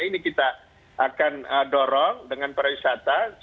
ini kita akan dorong dengan para wisata